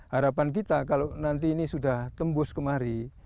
harapan kita kalau nanti ini sudah tembus kemari